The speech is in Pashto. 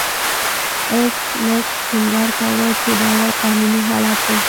ایس میکس ټینګار کاوه چې دا یو قانوني حالت دی